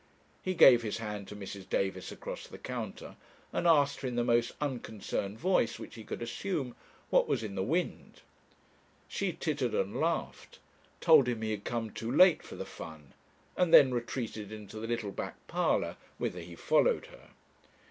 He gave his hand to Mrs. Davis across the counter, and asked her in the most unconcerned voice which he could assume what was in the wind. She tittered and laughed, told him he had come too late for the fun, and then retreated into the little back parlour, whither he followed her.